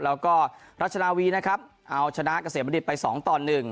แล้วก็รัชนาวีนะครับเอาชนะเกษมบัณฑิตไป๒ต่อ๑